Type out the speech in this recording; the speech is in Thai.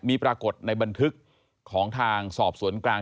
มีปรากฏในบันทึกของทางสอบสวนกลาง